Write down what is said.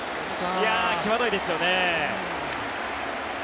際どいですよね。